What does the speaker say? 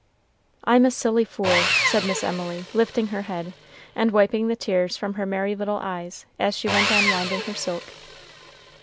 "I'm a silly fool," said Miss Emily, lifting her head, and wiping the tears from her merry little eyes, as she went on winding her silk.